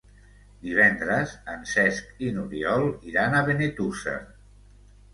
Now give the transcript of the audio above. Divendres en Cesc i n'Oriol iran a Benetússer.